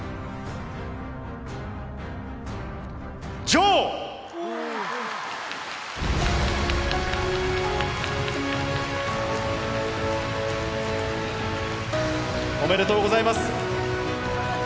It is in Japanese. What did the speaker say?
ジョウ！おめでとうございます。